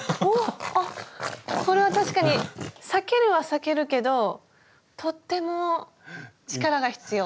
これは確かに裂けるは裂けるけどとっても力が必要。